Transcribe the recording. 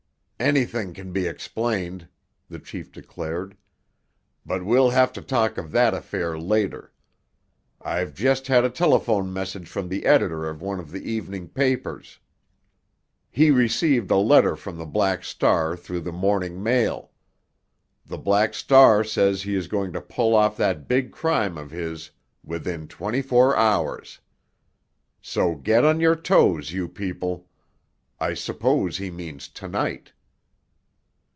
"Anything can be explained," the chief declared. "But we'll have to talk of that affair later. I've just had a telephone message from the editor of one of the evening papers. He received a letter from the Black Star through the morning mail. The Black Star says he is going to pull off that big crime of his within twenty four hours. So get on your toes, you people! I suppose he means to night."